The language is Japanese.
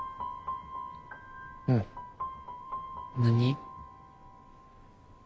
うん何？